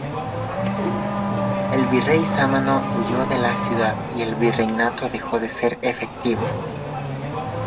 El virrey Sámano huyó de la ciudad, y el virreinato dejó de ser efectivo.